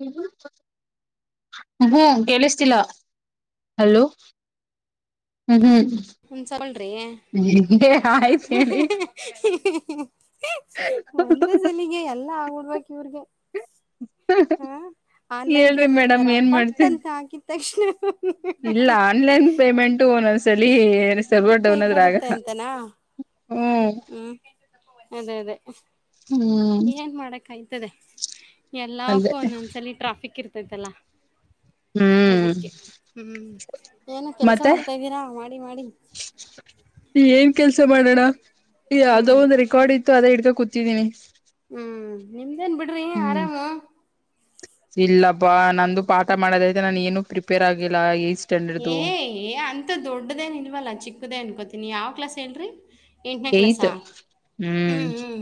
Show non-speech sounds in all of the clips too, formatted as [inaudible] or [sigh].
ಹ [inaudible] ಹ್ಮ್ ಕೇಳಿಸ್ತಿಲ್ಲ ಹಲೋ ಹ್ಮ್ ಹ್ಮ್ ಒಂದಸಲ್್ರಿ ಆಯ್ತ ಹೇಳಿ [inaudible] ಒಂದ ಸಲಿಗೆ ಎಲ್ಲಾ ಆಗ್ಡ್ಬೇಕ [inaudible] ಹೇಳ್ರಿ ಪೇಮೆಂಟ್ ಮೇಡಮ್ ತರ ಏನ್ ಮಾಡ್ತ ಪಟ್ ಅಂತ ಹಾಕಿದ ತಕ್ಷಣ ಇಲ್ಲ ಆನ್ಲೈನ್ ಪೇಮೆಂಟು ಒೊಂದ್ಸಲ ಸರ್ವರ್ ಕೈ ಡೌನ್ದ್ರಗ ಕೊಡುತ್ತೆ ಅಂತನಾ ಹ್ಮ್ ಅದೇ ಅದೇ ಹ್ಮ್ ಏನ್ ಮಾಡಕ್ ಆಾಯ್ತದೆ ಎಲ್ಲಾಕ್ಕೂ ಅದೇ ಒಂದೊಂದ್ಸಲ ಟ್ರಾಫಿಕ್ ಇರ್ತದೆ ತತಲ್ಲ ಹ್ಮ್ ಅದಕ್ಕೆ ಹ್ಮ್ ಏನ ಕೆಲ್ಸ ಮತ್ತೆ ಮಾಡ್ತಾ್ದೀರಾ ಮಾಡಿ ಮಾಡಿ ಏನ್ ಕೆಲ್ಸ ಮಾಡೋಣ ಯಾವದೋ ಹ್ಮ್ ಒಂದ್ ರೆಕಾರ್ಡ್ ಇತ್ತು ಅದೇ ಹಿಡ್ಕಾ ಕೂತಿದೀನಿ ಹ್ಮ್ ನಿಮ್ದೇನ್ ಬಿಡ್ರಿ ಆರಾಮು ಇಲ್ಲಪ್ಪಾ ನಂದು ಪಾಠ ಮಾಡೋದೈತ ನಾನು ಏನು ಪ್ರಿಪೇರ್ ಆಗಿಲ್ಲ ಏ ಸ್ಟ್ಯಾಂಡರ್ಡ್ದು ಏ ಅಂತ ದೊಡ್ಡದೇನ್ ಇಲ್ವಲ್ಲ ಚಿಕ್ಕದೇ ಅನ್ಕೋತನಿ ಯಾವ್ ಕ್ಲಾಸ್ ಹೇಳ್ರಿ ಎಂಟನೇ ಕ್ಲಾಸ ಏತ್ ಹ್ಮ್ ಹ್ಮ್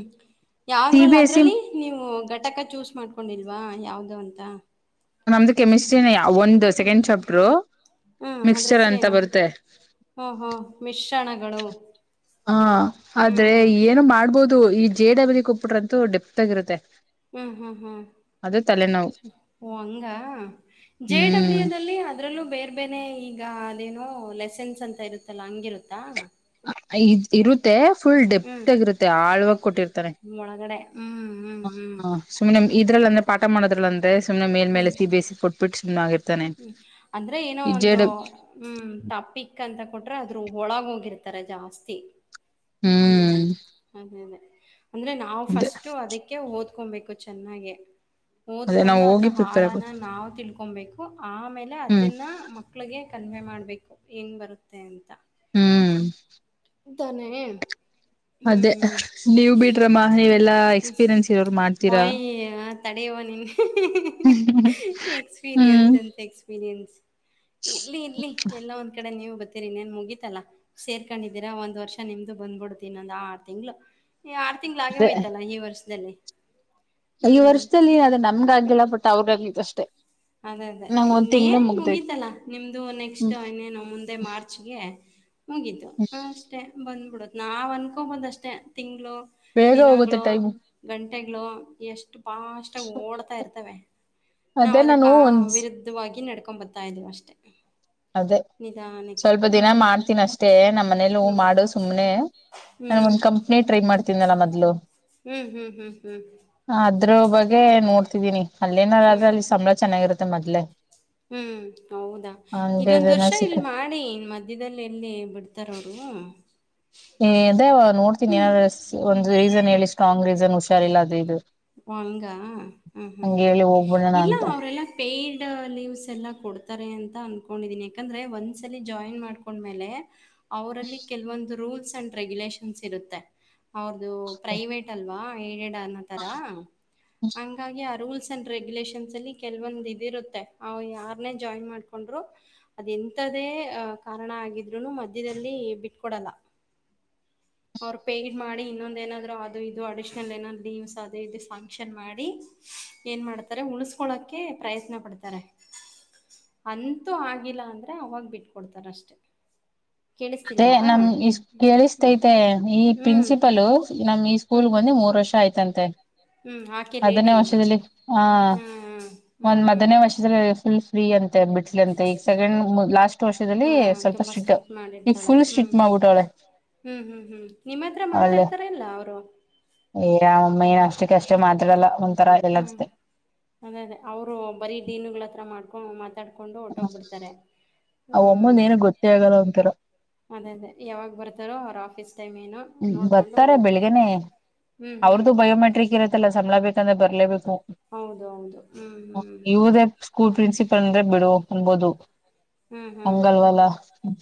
ಸಿ ಯಾವ್ದ್ರಲ್ಲ ಬಿ ಎಸ್ ಸಿ ಅದ್ರಲ್ಲಿ ನೀವು ಗ ಘಟಕ ಚೂಸ್ ಮಾಡ್ಕೊಂಡಿಲ್ವಾ ಯಾವವು್ದೋ ಅಂತ ನಮ್ದು ಕೆಮಿಸ್ಟ್ರಿನ ಒಂದು ಸೆಕೆಂಡ್ ಚಾಪ್ಟರು ಹ್ಮ್ ಅದ್ರ ಮಿಕ್ಸ್ಚರ್ ಅಂತ ಹೆಸ್ರೇನು ಹ ಹ್ಮ ಮಿಶ್ರ ಹಾ ಹ್ಮ್ ಆದ್ರೆ ಏನು ಮಾಡ್ಬೋದು ಈ ಜೆ ಡಬ್ಲಿ ಕೊಪ್ಪಿಟ್ರ ಅಂತ ಡೆಪ್ ಆಗರುತ್ತೆ ಹ್ಮ್ ಹ್ಮ್ ಹ್ಮ್ ಓ ಹಂಗ ಜೆ ಹ್ಮ್ ಡಬ್ಲ್ಯೂ ದಲ್ಲಿ ಅದ್ರಲ್ಲೂ ಬೇರ್ ಬೇರೆ ಈ ಈಗ ಅದೇನೋ ಲೆಸನ್ಸ್ ಅಂತ ಇರುತ್ತಲ್ಲ ಹಂಗಿರುತ್ತಾ ಹ ಇರುತ್ತೆ ಫುಲ್ ಹ್ಮ್ ಡೆಪ್ತ್ ಆಗಿರುತ್ತೆ ಆಳ್ವಾಗ ಕೊಟ್ಟಿರ್ತಾರೆ ಒಳಗಡೆ ಹ್ಮ್ ಹ್ಮ್ ಹ್ಮ್ ಹ ಸುಮ್ನೆ ಇದ್ರ ಅಂದ್ರೆ ಪಾಠ ಮಾಡೋ್ರ ಅಂದ್ರ ಸುಮನೆ ಮೇಲೆೇಲೆ ಹ್ಮ್ ಸಿ ಬೇಸಿ ಕೊಟ್ಬಿಟ್ಟು್ನೆ ಆಗಿತತಿ ಹ್ಮ್ ಅಂದ್ರೆ ಏನೋ ಒಂದು ಹ್ಮ್ ತಪಿಕ್ ಅಂತ ಕೊಟ್ರೆ ಅದು ಆದರು ಹಳಾಗ ಹೋಗಿರ್ತಾರೆ ಜಾಸ್ತಿ ಹ್ಮ್ ಅದೇ ಅದೇ ಅಂದ್ರೆ ನಾವು ಅದೇ ಫಸ್ಟು ಅದಕ್ಕೆ ಓದ್ಕೊಬೇಕು ಚೆನ್ನಾಗ ಅದೇ ನಾವ್ ಓದ್ಕೊಂಡು ಹೋಗಿ ಅದ್ರ ಪ್ರಿಪೇರ್ ಹಾಳಾನ ಆಗ್ಬೇಕು ನಾವು ತಿಳ್ಕೊಬೇಕು ಆಮೇಲೆ ಹ್ಮ್ ಅದನ್ನ ಮಕ್ಳಿಗೆ ಕನ್ವೆ ಮಾಡಬೇಕು ಹೆಏಗೆ ಬರುತ್ತೆ ಅಂತ ಹ್ಮ್ ಇದ ತಾನೆ ಅದೇ ನೀವ ಬಿದ್ರಮ್ಮ ಮ್ಮ ನೀವೆಲ್ಲಾ ಎಕ್ಸ್ಪೀರಿಯನ್ಸ್ ಇರೋರು ಮಾಡ್ತೀರಾ ಒಯ್ ತಡೆಯುವ ಹ್ಮ್ ಎಕ್ಸ್ಪೀರಿಯನ್ಸ್ ಅಂತ ಎನ್ ಇಲ್ಲಿ ಇಲ್ಲಿ ಎಲ್ಲ ಒಂದ್ ಕಡೆ ನೀವು ರಿ ನೀನ್ ಮುಗೀತಲ್ಲಾ ಸೇರ್ಕೊಂಡಿದ್ದೀರಾ ಒಂದ್ ವರ್ಷ ನಿಮ್ದು ಬಂದ್ಬಿಡ್ತನೊಂದಂದು ಆರು ತಿಂಗ್ಗಳು ಈ ಆರು ತಿಂಗ್ಗಳು ಆಗೇಯ್ತಲ್ಲ ಈ ವರ್ಷದಲ್ಲಿ ಐ ಹ್ಮ್ ವರ್ಷದಲ್ಲಿ ಅದ ನಮ್ಗ ಆಗ್ಲಿಲ್ಲ ಬಟ್ ಅವ್ರಿಗ ಆಗ್ದ ಅಷ್ಟೇ ಅದೇ ಅದೇ ನಂಗ ಒಂದ್ ತಿಂಗ್ಳ ಇನ್ನೇನ್ ಮುಗ್ದೈತ್ ಮುಗೀತಲ್ಲಾ ನಿಮ್ದು ನೆಕ್ಸ್ಟ್ ಹ್ಮ್ ಇನ್ನೇನು ಮುಂದೆ ಮಾರ್ಚ್ಗೆ ಮುಗಿತು ಅಷ್ಟೇ ಬಂದ್ಬಿಡುತ್ತ ನಾವ್ ಅನ್ಕೊಬಂದ ಅಷ್ಟೇ ತಿಂಗಗಳು ಬೇಗ ಹೋಗುತ್ತೆ ಟೈಮು ಗಂಟೆಗಳು ಎಷ್ಟು ಬಾಸ್ಾಗಿ ಓಡ್ತಾ ಇರ್ತವೆ ಅದೇ ನ ಕಾ ವಿರುದ್ಧವಾಗಿ ನಡ್ಕೊಂಡ್ಂಬರ್ತಾ ಇದ್ದೀವಿ ಅಷ್ಟೇ ಅದೇ ಸ್ವಲ್ಪ ದಿನ ಮಾಡ್ತೀನಿ ಅಷ್ಟೇ ನಮ್ಮ್ ಮನೇಲಿ ಹೂ ಹ್ಮ್ ಮಾಡು ಸುಮ್ಮ್ನೆ ನಾನ ಹ್ಮ್ ಒಂದ್ ಕಂಪ್ನಿ ಟ್ರೈ ಮಾಡ್ತೀನಲ್ಲ ಮೊದ್ಲು ಹ್ಮ್ ಹ್ಮ್ ಹ್ಮ್ ಹ್ಮ್ ಅ್ರ ಬಗ್ಗೆ ನೋಡ್ತಿದೀನಿ ಅಲ್ಲೇನಾರ ಆದ್ರೆ ಹ್ಮ್ ಅಲ್ಲಿ ಸಂಬಳ ಚೆನ್ನಾಗಿರುತ್ತೆ ಮೊದ್ಲೆ ಹ್ಮ್ ಹೌದಾ ಇದೊಂದ್ ಹಂಗೇನ ವರ್ಷ, ಸಿಕ್ಕ ಇಲ್ಲಿ ಮಾಡಿ. ಮಧ್ಯ್ಯದಲ್ಲಿ ಎಲ್ಲಿ, ಬಿಡ್ತಾರ, ಅವರು. [inaudible] ಏ, ಅದು, ನೋಡ್ತೀನಿ! ಏನಾದ ಹ್ಮ್ ಒಂದು ರೀಸನ್ ಹೇಳಿ ಸ್ಟ್ರಾಂಗ್ ರೀಸನ್ ಹುಷಾರಿಲ್ಲ! ಅದು, ಇದು. [inaudible] ಹಂಗ ಹ ಹಂಗೆ ಹ್ಮ್ ಹೇಳಿ ಹೋಗ್ಬಿಡೋಣ ಇಲ್ಲ ಅಂತ ಅವ್ರಲ್ಲ ಪೇಯಡ್ ಲೀವ್ಸ್ ಎಲ್ಲ ಹತಾರೆ ಅನ್ಕೊಂಡಿದೀನಿ ಯಾಕಂದ್ರೆ ಒಂದ್ಸಲಿ ಜಾಯಿನ್ ಮಾಡ್ಕೊಂಡ ಮೇಲೆ ಅವರಲ್ಲಿ ಕೆಲವೊಂದು ರೂಲ್ ರೂಲ್ಸ್ ಅಂಡ್ ರೆಗ್ಯುಲಷನ್ಸ್ ಇರುತ್ತೆ ಅವ ಪ್ರೈವಟ್ ಅಲ್ವಾ ಡ್ ಹ ಅ ರೂಲ್ಸ್ ರೆಗ್ಯುಲಷನ್ಸ್ ಅಲ್ಲಿ ಕೆಲವೊ ಇದ ಇರುತ್ತೆ ಯಾರೇ ಜಾಯಿನ್ ಮಾಡಕೊಂಡ್ರು ಅ ಕಾರಣ ಆಗಿದ್ರುನು ಮಧ್ಯದಲ್ಲಿ ಬಿಟ್ಕೊಡಲ್ಲ [inaudible] ಅವರು ಪೇಡ್ ಮಾಡಿ! ಇನ್ನೊಂದು ಏನಾದ್ರು ಅದು ಇದು ಅಡಿಶ್ನಲ್ ಏನಾದ್ರು ಲೀವ್ಸ್ ಆದ. [unintelligible] ಇದು, ಫಂಕ್ಷನ್, ಮಾಡಿ. ಏನ್ ಮಾಡ್ತಾರೆ! ಉಳಿಸಿಕೊಳೋಕೆ, ಪ್ರಯತ್ನ ಪಡ್ತಾರೆ. [inaudible] ಅಂತೂ, ಆಗಿಲ್ಲ ಅಂದ್ರೆ! ಅವಾಗ ಬಿಟ್ಕೊಡ್ತಾರೆ ಅಷ್ಟೆ... [inaudible] ಅದೇ, ಕೇಳಿಸ್ತಿಲ್ವಾ ನಮ್, ನಿಮ್, ಹ್ಮ್ ಕೇಳಿಸತೈತ, ಈ ಹ್ಮ್ ಪ್ರಿನ್ಸಿಪಲ್, ನಮ್ ಈ ಸ್ಕೂಲ್, ಹ್ಮ್ ಒ. [inaudible] ಇನ್ನು, ಮೂರ್, ವರ್ಷ ಆಯ್ತಂತೆ! ಹ್ಮ್ ಆಕೆ [inaudible] ಮೊದಲನೇ, ಲೇಡಿ ವರ್ಷದಲ್ಲಿ, ಹಾ ಹ್ಮ್ ಹ್ಮ್ ಒಂದ್ ಹ್ಮ್ ಮೊದನೇ ವರ್ಷದಲ್ಲಿ ಫುಲ್. [inaudible] ಫ್ರೀ, ಅಂತೆ, ಬಿಟ್ಟುಳು, ಅಂತೆ ಈಗ ಸೆಕೆಂಡ್ ಲಾಸ್ಟ್, ವರ್ಷದಲ್ಲಿ, ಸ್ವಲ್ಪ ಸ್ಟಿಕ್ಟ್. [inaudible] ಇದ್ದಾಳೆ, ಹ್ಮ್, ಹ್ಮ್, ಹ್ಮ್, ಹ್ಮ್, ನಿಮ್ಮ ಹತ್ರ ಅವಳೇ ಮಾತಾಡ್ತಾರೆ, ಇಲ್ಲ ಅವರು. [inaudible] ಏ, ರಾಮಯ್ಯ.. [inaudible] ಹ್ಮ, ಅದೇ, ಅದೇ, ಅವರು, ಬರೀ ಡೀನುಗಳತ್ರ ಮಾಡ. [inaudible] ಹು, ಮಾತಾಡ್ಕೊಂಡು, ಓಟೋಗ್ಬಿಡ್ತಾರೆ. [inaudible] ಅವಮ್ಮವಂದು, ಏನು, ಗೊತ್ತೆ, ಆಗಲ್ಲ, ಓನುತ್ರಾ. [inaudible] ಅದೇಲು, ಆಫಿಸ್. [inaudible] ಹ್ಮ್ ಬರ್ತಾರೆ ಬೆಳಗನೆೇ ಹ್ಮ್ ಹ್ಮ್ ಅವ್ರದು ಬಯೋಮೆಟ್ರಿಕ್, ಇರತ್ತಲ್ಲ, ಸ್ಮಬಲಾ, ಬೇಕವಾಂದ್ರೆ, ಬರಲೇಬೇಕು. ಹೌದು ಹೌದು ಹ್ಮ್ ಹ್ಮ್ [inaudible] ಇವುದೇ, ಸ್ಕೂಲ್! ಅದೇ ಪ್ರಿನ್ಸಿಪಲ್ ಅಂದ್ರೆ ಬಿಡು ಅನ್ಬೋದು. ಹ್ಮ್ [inaudible] ಹ್ಮ್ ಅಂಗಲ್ವಲ,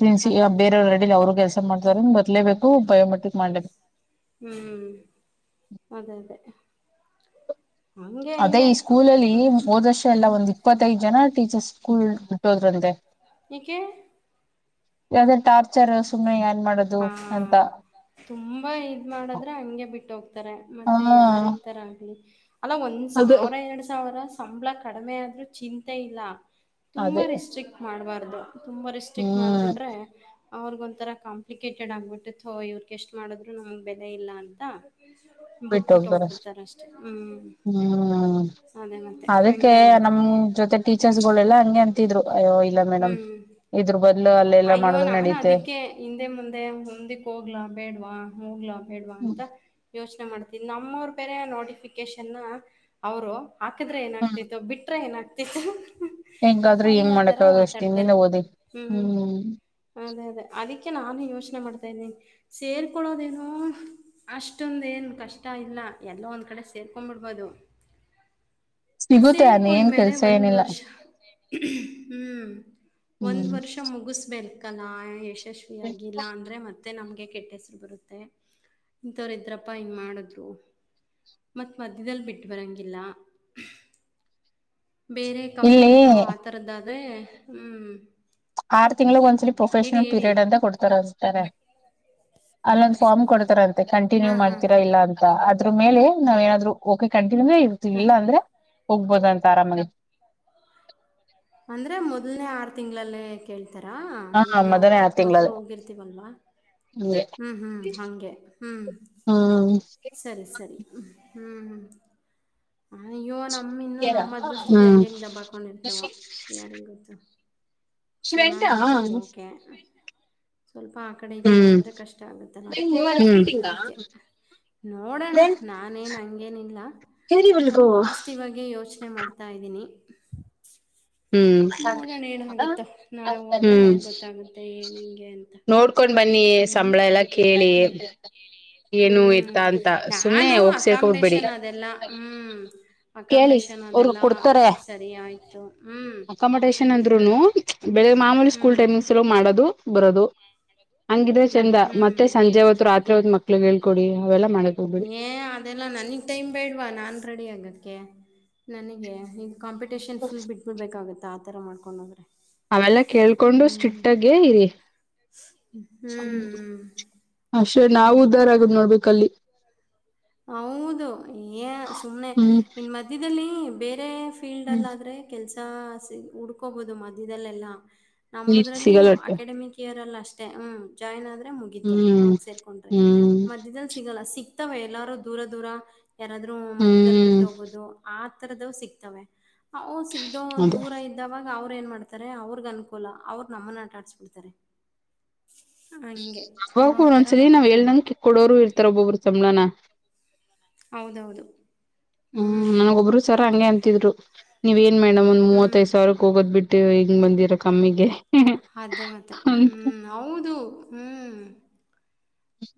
ಪ್ರಿನ್ಸಿ ಅದೇ ಅದೇ ಅದೇ ಬೇರೆಯವರುಡ್ಡಿಲಿ! ಅವರು ಕೆಲ್ಸ, ಮಾಡ್ತಾರೆ, ಬಟ್ಟು. [inaudible] ಇಟ್ಲೇಬೇಕು, ಬಯೋಮೆಟ್ರಿಕ್, ಮಾಡ್ಲೇಬೇಕು. [inaudible] ಹ್ಮ್, ಅದೇ, ಅದೇ. [inaudible] ಅದೇ, ಹಂಗೆ ಈ ಸ್ಕೂಲಲ್ಲಿ! ಹ್ಮ್ ಹೋದ್ ವರ್ಷ ಎಲ್ಲ ಒಂದು ಇಪ್ಪತ್ತೈದು, ಜನ. [inaudible] ಟೀಚರ್ಸ್, ಸ್ಕೂಲ್, ಬಿಟ್ಟು, ಹೋದ್ರಂತೆೆ! [inaudible] ಯಾಕ್ಕೆ. [inaudible] ಯಾವ್ದೋ, ಟಾರ್ಚರ್ ಸುಮ್ಮ್ನೆ? ಏನ್ ಮಾಡೋದು ಹಾ ಅಂತ! [inaudible] ತುಂಬಾ, ಇದು, ಮಾಡದ್ರೆ, ಹಂಗೆ, ಬಿಟ್ಟು ಹೋಗ್ತಾರೆ! ಹಾ ಮತ್ತೆ ಯಾರು, ಇರ್ತಾರೆ, ಅಂಟಿ. [inaudible] ಅಲ್ಲ, ಒಂದ್ ಅದೇ ಸಾವಿರ! ಎರಡ್ ಸಾವಿರ ಸಂಬಳ ಕಡಿಮೆ, ಆದ್ರರು, ಚಿಂತೆ ಇಲ್ಲ. [inaudible] ತುಂಬಾ, ಅದೇ ರಿಸ್ಟ್ರಿಕ್ಟ್ ಮಾಡ್ಬಾರ್ದು! ತುಂಬಾ ರಿಸ್ಟ್ರಿಕ್ಟ್ ಹ್ಮ್ ಮಾಡ್ಬಿಟ್ರೆ, ಅವ್ರಗ ಒಂತರ ಕಂಪ್. [inaudible] ಅಪ್ಲಿಕೇಟೆಡ್, ಆಗ್ಬಿಟ್ಟಿತ್ತು ಇವ್ರಿಗೆ ಎಷ್ಟು ಮಾಡಿದ್ರು, ನಮ್ಗೆ ಬೆಲೆ ಇಲ್ಲ ಅಂತ. [inaudible] ಬಿಟ್ಬಿಟ್ಟು ಬಿಟ್ಟುಓಗುತಾರೆ, ಅಷ್ಟೇ, ಹೋಗ್ಬಿಡ್ತಾರ ಅಷ್ಟೆ ಹ್ಮ್ ಹ್ಮ್. ಅದೇ ಮತ್ತೆ [inaudible] ಅದಕ್ಕೆ, ಹಂಗೆ ನಮ್ ಮಾಡ್ತವ್ರಿ ಜೊತೆ ಟೀಚರ್ಸ್ಗಳೆಲ್ಲಾ! ಹಂಗೆ ಅಂತಿದ್ರು ಅಯ್ಯೋ ಇಲ್ಲ ಮೇಡಮ್ ಹ್ಮ್ ಇದ್ರರು ಬಗ್. [inaudible] ಅಯ್ಯೋ, ನಾನು, ಅದಿಕ್ಕೆ ಹಿಂದೆ ಮುಂದೆ ಮುಂದಿಕ್ ಹೋಗ್ಲ ಬೇಡ್ವಾ ಹೋಗ್ಲ ಬೇಡ್ವಾ ಹ್ಮ್ ಅಂತ. [inaudible] ಮತ್ತೆ, ಯೋಚನೆ, ಮಾಡ್. [inaudible] ನಮ್ಮವರು, ಬೇರೆ ನೋಟಡಿಫಿಕೇಶನ್! ಅವ್ರು ಹಾಕಿದ್ರೆ, ಏನಾಗಗ್ತಿತ್ತು ಬಿಟ್ರೆ ಏನು ಆಗ್ತ. [inaudible] ತಿಂದು. [unintelligible] ಹೆಂಗಾದ್ರೂ, ಹೆಂಗ್ ಮಾಡಕ್ದು, ಅಷ್ಟಿಂದಿನ, ಓದಿ ಹ್ಞೂ ಹ್ಮ್. [inaudible] ಅದೇ, ಅದೇ, ಅದಕ್ಕೆ. [inaudible] ಅದಕ್ಕೆ, ಆಗಲೇ ಯೋಚನೆ ಮಾಡ್ತಾ ಇದ್ದೀನಿ. ಸೇರ್ಕೊಳ್ಳೋದೇನೋ ಅಷ್ಟೊಂದು, ಏನು ಕಷ್ಟ ಇಲ್ಲ. [inaudible] ಎಲ್ಲ, ಒಂದ್, ಕಡೆ ಸೇರ್ಕೊಂಡ್! ಬಿಡ್ಬೋದು. [unintelligible] ಇವತಾ, ಏನು, ಕೆಲ್ಸ ಏನಿಲ್ಲ. [inaudible] ವರ್ಷ. ಹ್ಮ್, ಒಂದ್ ಹ್ಮ್ ವರ್ಷ, ಮುಗಿಸು. [inaudible] ಲೇಖನ ಯಶಸ್ವಿಿಯಾಗಿಿಲ್ಲ ಅಂದ್ರೆ ಮತ್ತೆ ನಮಗೆ ಕೆಟ್ಟ ಹೆಸರು ಬರುತ್ತೆ ಇಂಥವ್ರು ಇದ್ರಪ್ಪ ಇನ್ ಮಾಡಿದ್ರು ಮಾತೆ ಮಧ್ಯದಲ್ಲಿ ಬಿಟ್ಟು ಬರೋಂಗಿಲ್ಲ ಬೇರೆ ಇಲ್ಲಿ ಕಂಪ್ನಿಗಳು ಆ ಥರದ್ದಾದೆ ಹ್ಮ್ ಆರ್, ತಿಂಗ್ಳಗ್ ಒಂದ್ಸಲ ಹೇಳಿ ಪ್ರೊಫೆಷನಲ್! ಹೇಳಿ. ಪೀರಿಯಡ್, ಅಂತ ಕೊಡ್ತಾರೆ, ಅತಾರೆ. [inaudible] ಅಲ್ಲೊಂದ್, ಫಾರ್ಮ್ ಕೊಡ್ತಾರ ಅಂತೆ ಕಂಟಿನ್ಯೂ ಹಾಂ ಹಾಂ ಮಾಡ್ತೀರಾ ಹಾಂ. ಇಲ್ಲ ಅಂತ ಅದ್ರ ಮೇಲೆ ನಾವ್ ಏನಾದ್ರು ಓಕೆ, ಕಂಟಿನ್ಯೂ. [inaudible] ಇರು, ಅಂದ್ರೆ, ಇರುತ್ತಿವಿ, ಹಾಂ ಇಲ್ಲ ಅಂದ್ರೆ ಹೋಗ್ಬೋದ, ಅಂತ ಆರಾಮಾಗಿ. [inaudible] ಅಂದ್ರೆ, ಮೊದ್ಲ್ನೆೇ, ಆರು ತಿಂಗಳಲ್ಲೇ ಕೇಳ್ತೀ. [inaudible] ಒಂದುತಾರ, ಈಗ ಹ ನಾವು ಮೊದಲನೇ ಆರು ಮೊದ್ಲು ತಿಂಗಳದ ಹೋಗಿರ್ತೀವಲ್ವಾ! [inaudible] ಹಂಗೆ ಹ್ಮ್, ಹ್ಮ್, ಹಾಂಗೆ, ಹ್ಮ್. [inaudible] ಹ್ಮ್ ಸರಿ, ಸರಿ, ಹ್ಮ, ಹ್ಮ್.. [unintelligible] ಅಯ್ಯೋ, ನಮ್ಮ, ಇನ್ನು ನಮ್ಮ ಹ್ಮ್ ಅದೃಷ್ಟಗ್ಗಳು! ಹ್ಮ್ ಹ್ಮ್ ಹೆಂಗಗೆ ಹೆಂಗಗೆ ದಬ್ಬ ಹಾಕೊಂಡಿರ್ತಾವೋ, ಯಾರಿಗೆ, ಗೊತ್ತು. [inaudible] ಚೆನ್ನಾಗಿದ್ರೆ, ಓಕೆ. [inaudible] ಸ್ವಲ್ಪ, ಆ ಕಡೆ, ಈ ಕಡೆ, ಆದರೆ ಕಷ್ಟ ಆಗುತ್ತಲ್ಲ. [inaudible] ಅದಕ್ಕೆ ನೋಡೋಣ ನಾನೇನು ಹಂಗೇನಿಲ್ಲ ಪಾಸಿಟಿವ್ ಆಗ ಯೋಚನೆ ಮಾಡ್ತಾಯ್ದೀನಿ ನೋಡೋಣ ಏನಾಗುತ್ತೋ ನಾಳಗೆ ಹೋದ್ರೆ ಹ್ಮ್ ಗೊತ್ತಾಗುತ್ತೆ ಏನು ಹೆಂಗೆ ಅಂತ ನೀ ಹ್ಞೂ ಸಂಬಳ ಎಲ್ಲ ಕೇಳಿ ಹ್ಞೂ [unintelligible] ಹ್ಮ್ ಎತ್ತ ಅಂತ ಸುಮ್ನೆ ನಾನು ಹೋಗ್ ಸೇರ್ಕೊಬಿಡ್ಬೇಡಿ ಅಕಾಮಿಡೇಶನ್ ಅದೆಲ್ಲಾ ಹ್ಮ್ ಕೇಳಿ ಅಕಾಮಿಡೇಶನ್ ಅವ್ರಗ್ ಅದೆಲ್ಲಾ ಕೊಡ್ತಾರೆ ಸರಿ ಆಯ್ತು ಹ್ಮ್ ಅಂದ್ರು ಬೆಳಗ್ ಮಾಮೂಲಿ ಸ್ಕೂಲ್ ಹ್ಮ್ ಟೈಮಿಂಗ್ಸ್ಲ್ಲ ಮಾಡೋದು ಬರೋದು ಹಂಗಿದ್ರ ಚಂದ ಹ್ಮ್. ಮತ್ತೆ ಸಂಜೆ ಅವತ್ತು ರಾತ್ರಿ ಹೊತ್ ಮಕ್ಳಗ್ ಹೇಳ್ಕೊಡಿ ಅವೆಲ್ಲಾ ಮಾಡಕ್ ಹೋಗ್ಬೇಡಿ ಏ ಅದೆಲ್ಲ ನನಗ್ ಟೈಮ್ ಬೇಡ್ವಾ ನಾನ್ ರೆಡಿ ಆಗಕ್ಕೆ ನನಗೆ ಈಗ ಅಕ್ಕಮೆಡೆಂಟೇಶನ್ ಫುಲ್ ಬಿಟ್ಬಿಡ್ಬೇಕಾಗುತ್ತೆ ಆತರ ಮಾಡ್ಕೊಂಡ ಹದ್ರೆ ಅವೆಲ್ಲ ಕೇಳ್ಕೊಂಡು ಸ್ಟ್ರಿಕ್ಟಗೆ ಹ್ಮ್ [unintelligible] ಹ್ಮ್ ಅಷ್ಟೆ ನಾವು ಅದೇ ಉದಾರ ಅದೇ. ಆಗದ್ ನೋಡ್ಬೇಕ ಅಲ್ಲಿ ಹೌದು ಏ ಸುಮ್ಮ್ನೆ ಹ್ಮ್ ಇನ್ ಮಧ್ಯದಲ್ಲಿ ಬೇರೆ ಫೀಲ್ಡ್ ಅಲ್ಲ ಆದ್ರೆ ಕೆಲ್ಸ ಸಿ ಉುಡ್ಕೋಬಹುದು ಮಧ್ಯದಲ್ಲೆಲ್ಲ ನೀರ್ ನಮ್ಮದ್ರಲ್ಲಿ ಸಿಗಲ್ಲ ಅಕಾಡೆಮಿಕ್ ಇಯರ್ ಅಲ್ಲ ಅಷ್ಟೇ ಹ್ಮ ಜಾಯಿನ್ ಆದ್ರೆ ಮುಗಿತು ಹ್ಮ್ ಅವಾಗ ಸೇರ್ಕೊಂಡ್ರೆ ಹ್ಮ್ ಮಧ್ಯದಲ್ಲಿ ಸಿಗಲ್ಲ ಸಿಗ್ತವ ಎಲ್ಲಾರು ದೂರ ದೂರ ಯಾರಾದರೂ ಮಧ್ಯ್ಯದಲ್ಲಿ ಹ್ಮ್ ಬಿಟ್ಟು ಹೋಗೋುದು ಆತರದ ಸಿಕ್ತವೆ ಅವು ಸಿಗ್ದೋ ಅದೇ ದೂರ ಇದ್ದಾವ ಅವ್ರು ಏನ್ ಮಾಡ್ಡ್ತಾರೆ ಅವ್ರಗ್ ಅನುಕೂಲ ಅವ್ರು ನಮ್ಮನ್ನ ಆಟ ಆಡ್ಸ್ಬಿಡ್ತಾರೆ ಹೋಗಬುವ ಒಂದ್ಸಲಿ ನಾವ್ ಎಳ್ ಮಾಡ್ತಾರೆ ನಂಕ ಇ ಕೊಡೋರು ಇರ್ತಾರ ಒಬ್ಬೊಬ್ರು ಸಂಳಾನ ಹೌದೌದು ಹ್ಮ್ ನನಗ ಹ್ಞೂ ಒಬ್ರು ಸರ ಹಂಗೆ ಅಂತಿದ್ರು ನೀವ್ ಏನ್ ಮೇಡಮ್ ಒಂದ್ ಹ್ಮ್ ಮೂವತ್ತ್ತೈದ್ ಸಾವಿಕ್ ಹೋಗೋದ್ ಬಿಟ್ಟು ಇದು ಹಿಂಗ್ ಬಂದಿರ ಕಮ್ಮಿಗೆ ಅದೇ ಮತ್ತೆ ಅಂತ. ಹ್ಮ್ ಹೌದು ಹ್ಮ್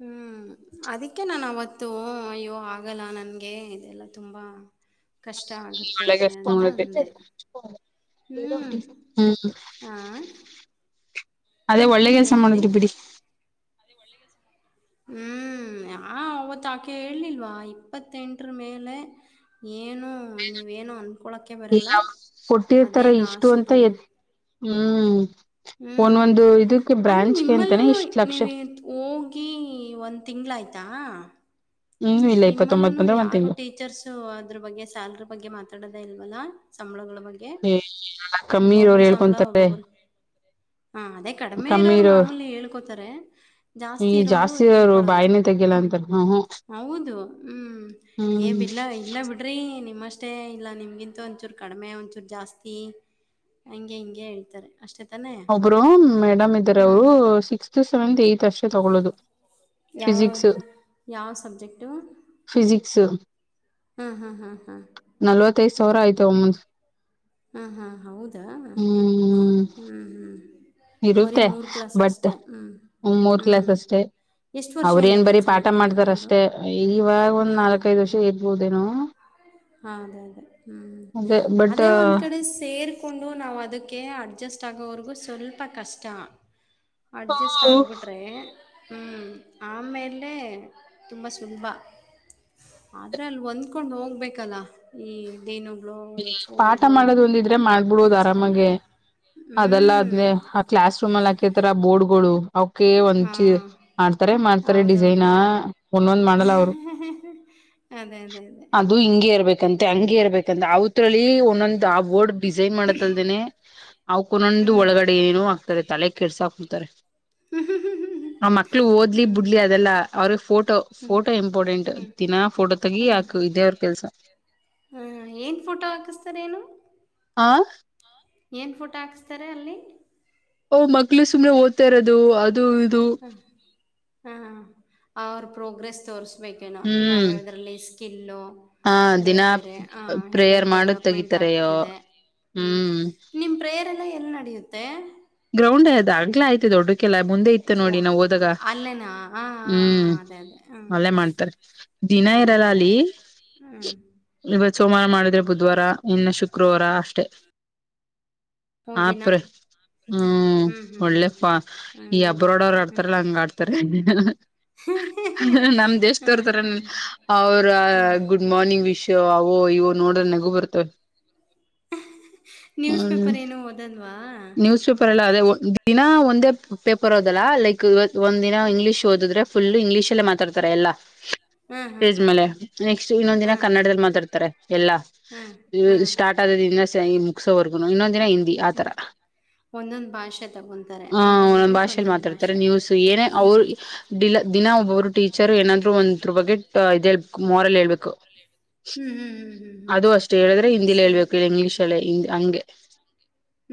ಹ್ಮ್ ಅದಕ್ಕೆ ನಾ ಅವತ್ತು ಅಯ್ಯೋ ಆಗಲ್ಲ ನನ್ಗೆ ಇದೆಲ್ಲ ತುಂಬಾ ಕಷ್ಟ ಆಗುತ್ತೆ ಒಳ್ಳೆ ಕಷ್ಟ ಅಂತ ಅಂದೆ ಹ್ಮ್ [unintelligible] ಹ್ಮ ಹಾ ಅದೇ ಒಳ್ಳೆ ಕೆಲಸ ಏನು ಹೇಳಿ ಮಾಡುದ್ರಿ ಬಿಡಿ ಹ್ಮ್ ಆ ಅವತ್ ಆಕೆ ಹೇಲಿಲ್ವಾ ಇಪ್ಪತ್ತೆಂಟ್ರ ಮೇಲೆ ಏನು ನೀವೇನು ಅನ್ [unintelligible] ಕೊಟ್ಟಿರ್ತಾರ ಇಷ್ಟು ಅಂತ ಲಾಸ್ಟು ಎ ಹ್ಮ್ ಹ್ಮ್ ಒಂದೊಂದು ಇದಕ್ಕೆ ಅಲ್ಲಿ ಬ್ರಾಂಚ್ಗೆ ನಿಮ್ಮಲ್ಲೂ ಅಂತಾನೆ ಇಷ್ಟ್ ಲಕ್ಷ ನೀವ ಹೋಗಿ ಒಂದ್ ತಿಂಗ್ಳ ಆಯ್ತು ತಾ ಹ್ಮ್ ಇಲ್ಲ ಇಪ್ಪತ್ತೊಂಬತ್ ನಿಮ್ಮಲ್ಲೂನು ಬಂದ್ರೆ ಒಂದ್ ಯಾರು ತಿಂಗ್ಳು ಟೀಚರ್ಸ್ ಅದ್ರ ಬಗ್ಗೆ ಸ್ಯಾಲ್ರಿ ಬಗ್ಗೆ ಮಾತಾಡದ ಇಲ್ಲ ಲ್ಲ ಸಬಳಗಳು ಎಲ್ಲ ಕಮ್ಮಿ ಇರೋರು ಹೇಳ್ಕೊಂತಾರೆ ಒಬ್ಬೊಬ್ರು ಹಾ ಅದೇ ಕಡಿಮೆ ಇರೋರು ಮಾಮೂಲಿ ಹೇಳ್ಕೋತಾರೆ ಜಾಸ್ತಿ ಇರೋರು ಹೇಳ್ಕೊಳಲ್ಲ ಲ್ಲ ಹ್ಮ್. ಅಂತರೆ ಹ್ಮ ಹೂ ಹೌದು ಹ್ಮ್ ಏ ಬಿಲ್ಲ ಇಲ್ಲ ಬಿಡ್ರಿ ನಿಮ್ಮಷ್ಟೇ ಇಲ್ಲ ನಿಮ್ಗಿಂತೂ ಒಂಚೂರು ಕಡಿಮೆ ಒಂಚೂರು ಜಾಸ್ತಿ ಹಂಗೆ ಹಿಂಗೆ ಹೇಳ್ತಾರೆ ಅಷ್ಟೇ ತಾನೇ? ಒಬ್ರು ಮೇಡಮ್ ಇದ್ದಾರೆ ಅವರು ಹ್ಮ್. ಸಿಕ್ಸ್ತ್ ಸೆವೆಂತ್ ಇಗ್ಟ್ ಅತ್ಯಶ್ಯೆ ತೊಗೊಳ್ಳದು ಯಾವ ಫಿಿಸಿಿಕ್ಸ್ ಯಾವ ಸಬ್ಜೆಕ್ಟು ಫಿಿಸಿಿಕ್ಸ್ ಹ್ಮ್ ಹ್ಮ ಹ್ಮ ಹ್ಮ ಹತ್ತೈದು ಸಾವಿರ ಆಯ್ತು ಒಮ್ಮ್ ಹ್ಮ್ ಹ್ಮ್ ಹೌದಾ ಹ್ಮ್ ಹ್ಮ್ ಇರುತ್ತೆ ಬಟ್ ಮೂರ್ ಹ್ಞೂ ಕ್ಲಾಸ್ ಅಷ್ಟೇ ಎಷ್ಟು ವರ್ಷದಿಂದ ಅವ್ರೇನ್ ಬರೀ ಕೆಲಸ ಪಾಠ ಮಾಡ್ತಾರಂತೆ ಅವರು ಮಾಡ್ತಾರಷ್ಟೇ ಇವಾಗ ಒಂದ್ ನಾಲ್ಕ ಐದು ವರ್ಷ ಇರ್ಬೋದೇನುೋ ಹ ಅದೇ ಅದೇ ಹ್ಮ್ ಬಟ್ ಅದೇ ಒಂದ್ ಕಡೆ ಸೇರ್ಕೊಂಡು ನಾವು ಅದಕ್ಕೆ ಅಡ್ಜಸ್ಟ್ ಆಗೋವರೆಗೂ ಸ್ವಲ್ಪ ಕಷ್ಟ ಅಡ್ಜಸ್ಟ್ ಆಗ್ಬಿಟ್ರೆ ಹ್ಮ್ ಆಮೇಲೆ ತುಂಬ ಸುಲಭ ಆದ್ರೆ ಅಲ್ಲಿ ಒಂದ್ಕೊಂಡ ಹೋಗ್ಬೇಕಲ್ಲ ಈ ಇದೇನು ಪಾಠ ಮಾಡೋದ ಒಂದಿದ್ರೆ ಮಾಡ್ಬಿಡೋದು ಆರಾಮಾಗೆ ಪ್ರಿನ್ಸಿಪಾಲ್ಗಳು ಅದೆಲ್ಲ ಹ್ಮ್ ಅದನೇ ಆ ಕ್ಲಾಸ್ ರೂಮ್ಲ್ ಹಾಕಿತಾರ ಆ ಬೋರ್ಡ್ಗಳು ಅವೂಕೆ ಒಂದ ಹಾ ಚಿ ಮಾಡ್ತಾರೆ ಮಾಡ್ತಾರೆ ಡಿಸೈನ್ ಹೌದೌದು ಒಂದೊಂದ್ ಮಾಡಲ್ಲ ಅವರು ಅದೇ ಅದೇ ಅದೇ ಅದು ಹಿಂಗೆ ಇರ್ಬೇಕಂತೆ ಹಂಗೆ ಇರ್ಬೇಕಂತ ಅವತ್ರರಲ್ಲಿ ಒಂದೊಂದು ಆ ಬೋರ್ಡ್ ಡಿಸೈನ್ ಮಾಡದ ಅಲ್ಲದೆನೆ ಅವಕೊಂದೋಂದ ಹ್ಮ್ ಒಳಗಡೆ ಏನು ಆಗ್ತದೆ ತಲೆ ಕೆಡ್ಸಾಕ್ ಬೀಡ್ತಾರೆ ಹ್ಮ್ ಹ್ಮ್ ಹ್ಮ ಆ ಮಕ್ಳು ಓದ್ಲಿ ಬಿಡ್ಲಿ ಅದೆಲ್ಲ ಅವ್ರಿಗೆ ಫೋಟೋ ಹ್ಮ್ ಫೋಟೋ ಇಂಪಾರ್ಟೆಂಟ್ ಹ್ಮ್ ದಿನಾ ಫೋಟೋ ತಗಿ ಹ್ಮ್ ಆಕು ಇದೇ ಅವರ ಕೆಲಸ ಹ್ಮ್ ಏನು ಫೋಟೋ ಹಾಕಿಸ್ತಾರೇನು ಹಾ ಏನ್ ಫೋಟೋ ಹಾಕಸ್ತಾರೆ ಅಲ್ಲಿ ಅವು ಮಕ್ಳ ಸುಮ್ನೆ ಓದ್ತಾ ಇರೋದು ಅದು ಇದು ಹ್ಮ್ ಹಾ ಅವ್ರ ಪ್ರೋಗ್ರೆಸ್ ತೋರಿಸ್ಬೇಕೇನೋ ಯಾವ್ಯಾವದ್ರಲ್ಲಿ ಸ್ಕಿಲ್ಲು ಹಾ ಬೇರೆ ದಿನಾ ಬೇರೆ ಆ ಪ್ರೇಯರ್ ಎಲ್ಲೆಲ್ಲಿ ಮಾಡುದ ಡೆವಲಪ್ಮೆಂಟ್ ತಗಿತಾರಯೋ ಆಗ್ತಿದೆ ಹ್ಮ್ ನಿಮ್ ಪ್ರೇರ್ ಎಲ್ಲ ಎಲ್ಲಿ ನಡೆಯುತ್ತೆ ಗ್ರೌಂಡ್ ಅದು ಅಗಲ ಆಯ್ತೆ ದೊಡ್ಡ ಕಲ್ಲ ಮುಂದೆ ಇತ್ತು ಓ ನೋಡಿ ನಾವ ಹೋದಾಗ ಅಲ್ಲೇನಾ ಹಾ ಹಾ ಹಾ, ಹ್ಮ್ ಅದೇ ಅದೇ ಹ್ಮ್ ಅಲ್ಲೆ ಹ್ಮ್ ಮಾಡ್ತಾರೆ ದಿನ ಇರಲ್ಲ ಹೌದಾ ಅಲ್ಲಿ ಹ್ಮ್ ಇವತ್ತು ಸೋಮವಾರ ಮಾಡುದು ಬುಧವಾರ ಇನ್ನ ಶುಕ್ರವಾರ ಅಷ್ಟೆ ಓ ದಿನ ಆಪ್ರೆ ಹ್ಮ್ ಹ್ಮ್ ಒಳ್ಳೆ ಹ್ಮ್ ಪ ಹ್ಮ್ ಈ ಅಬ್ರೋಡ ಅವರು ಹ್ಮ್ ಆಡ್ತಾರಲ್ಲ ಹಂಗ ಆಡ್ತಾರೆ ನಮ ದೇಶ ಹಾ ತೋರ್ತಾರ ಹಾ ಅವ್ರ ಗುಡ್ ಮಾರ್ನಿಂಗ್ ವಿಶ್ ಅವೋ ಇವು ನೋಡಿದ್ರೆ ನಗು ಬರ್ತವೆ ನ್ಯೂಸ್ ಹ್ಮ್ ಪೇಪರ್ ಏನು ಓದಲ್ಲವಾ ನ್ಯೂಸ್ ಪೇಪರ್ಲ್ಲ ಅದೇ ದಿನ ಒಂದೇ ಪೇಪರ್ ಹೋದಲ್ಲಾ ಲೈಕ್ ಒಂದ್ ದಿನ ಇಂಗ್ಲೀಷ್ ಓದಿದ್ರೆ ಫುಲ್ ಇಂಗ್ಲೀಷ್ಲೇ ಮಾತಾಡ್ತಾರೆ ಎಲ್ಲಾ ಹಾ ಹಾ ಸ್ಟೇಜ ಹಾ ಮೇಲೆ ನೆಕ್ಸ್ಟ್ ಇನ್ನೊಂದ ದಿನ ಹಾ ಕನ್ನಡದಲ್ಲಿ ಮಾತಾಡ್ತಾರೆ ಎಲ್ಲಾ ಹಾ ಹಾ ಸ್ಟಾರ್ಟ್ ಆದ ದಿನ ಮುಗಸೋವರ್ಗೂನು ಇನ್ನೊಂದ ದಿನ ಹಿಂದಿ ಆತರ ಒಂದೊಂದು ಭಾಷೆ ತಗೊಂತಾರೆ ಆ ಒಂದೊಂದು ಒಂದ್ ದಿನಕ್ಕೆ ಭಾಷೆಯಲ್ಲಿ ಒಂದೊಂದು ಮಾತಾಡ್ತಾರೆ ಭಾಷೆ ನ್ಯೂಸ್ ಏನೇ ಅವ್ರು ಹ್ಮ್ ಡಿಲ ದಿನ ಒಬ್ಬೊಬ್ರು ಟೀಚರ್ ಏನಾದ್ರು ಒಂದ್ರ ಬಗ್ಗೆ ಇದ್ ಹೇಳ್ ಮೋರಲ್ ಹೇಳ್ಬೇಕು ಹ್ಮ್ ಹ್ಮ್ ಹ್ಮ್ ಹ್ಮ್ ಹ್ಮ್. ಅದು ಅಷ್ಟು ಹೇಳಿದ್ರೆ ಹಿಂದಿಲ ಹೇಳ್ಬೇಕು ಸರಿ. ಇಂಗ್ಲಿಷಲ್ಲೇ ಹಿಂದಿ ಹಂಗೆ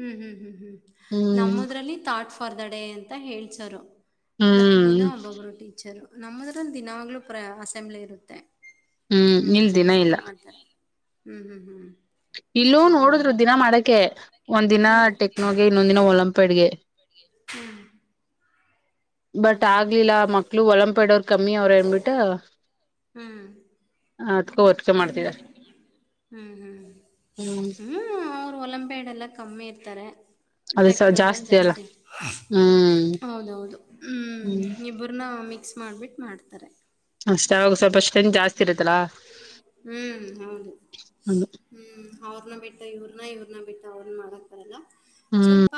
ಹ್ಮ್ ಹ್ಮ್ ಹ್ಮ್ ಹ್ಮ್ ಹ್ಮ್ ನಮ್ಮದ್ರಲ್ಲಿ ಥಾಟ್ ಫಾರ್ ದ ಡೇ ಅಂತ ಹೇಳ್ಸರು ಪ್ರತ ಹ್ಮ್ ದಿನ ಒಬ್ಬೊಬ್ರು ಟೀಚರು ನಮ್ಮದ್ರ ದಿನವಾಗ್ಲು ಪ್ರ ಅಸೆಂಬ್ಲಿ ಇರುತ್ತೆ ಹ್ಮ್ ನಿಮ್ಮದ ದಿನ ಇಲ್ಲ ಆ ಥರ. ಹ್ಮ್ ಹ್ಮ್ ಹ್ಮ್ ಇಲ್ಲೂ ಹೌದಾ ನೋಡುದ್ರು ದಿನ ಮಾಡಕೆ ಒಂದ್ ದಿನ ಹಾಂ ಟೆಕ್ನೋಗೆ ಇನ್ನೊಂದ್ ದಿನ ಒಲಂಪೆಡ್ಗೆ ಹ್ಮ್. ಬಟ್ ಅದೇ ಅದೇ ಆಗ್ಲಿಲ್ಲ ಮಕ್ಳು ಒಲಂಪೆಡೋರ್ ಕಮ್ಮಿ ಅವ್ರ ಅನ್ಬಿಟ್ಟ ಹ್ಮ್ ಅದ್ಕೇ ಒಟ್ಟಿಗೆ ಮಾಡ್ತಿದ್ದಾರೆ ಹ್ಮ್ ಹ್ಮ್ ಅವ್ರರು ಒಲಂಪ್ಯಾಡ್ ಎಲ್ಲ ಕಮ್ಮಿ ಇರ್ತಾರೆ ಅದು ಸ ಟೆಕ್ನ ಅಲ್ಲ ಜಾಸ್ತಿ ಇ ಹ್ಮ್ ಹೌದೌದು ಹ್ಮ್ ಇಬರನ ಮಿಕ್ಸ್ ಮಾಡಿಬಿಟ್ಟು ಮಾಡ್ತಾರೆ ಅಷ್ಟ ಅವಾಗ ಸ್ವಲ್ಪ ಸ್ಟ್ರೆಂತ್ ಜಾಸ್ತಿ ಇರುತ್ತಲ್ಲಾ ಹ್ಮ್ ಹೌದು ಹ್ಮ್ ಅವ್ರನ ಬಿಟ್ಟ ಇವ್ರನ ಇವ್ರನ ಬಿಟ್ಟ ಅವ್ರ ಮಾಡ ಬರಲ್ಲ ಹ್ಮ್ ಸ್ವಲ್ಪ